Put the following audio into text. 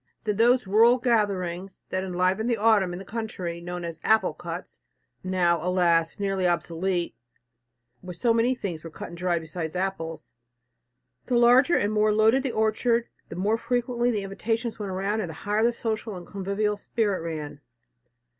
Then those rural gatherings that enlivened the autumn in the country, known as "apple cuts," now, alas! nearly obsolete, where so many things were cut and dried besides apples! The larger and more loaded the orchard, the more frequently the invitations went round and the higher the social and convivial spirit ran.